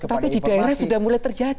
tapi di daerah sudah mulai terjadi